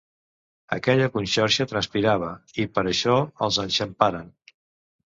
Aquella conxorxa transpirava, i per això els enxamparen.